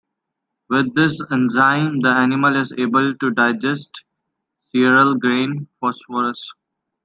With this enzyme, the animal is able to digest cereal grain phosphorus.